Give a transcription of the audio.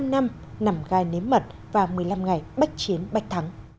một mươi năm năm nằm gai nếm mật và một mươi năm ngày bách chiến bạch thắng